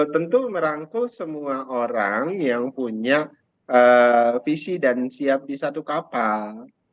tentu merangkul semua orang yang punya visi dan siap di satu kapal